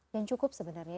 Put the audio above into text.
yang cukup sebenarnya